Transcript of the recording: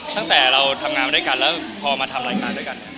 ตั้งแต่เราทำงานมาด้วยกันแล้วพอมาทำรายการด้วยกัน